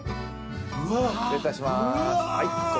失礼いたします。